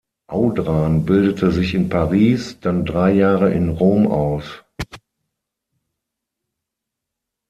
Audran bildete sich in Paris, dann drei Jahre in Rom aus.